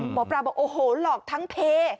หมอปลาบอกโอ้โหหลอกทั้งเพ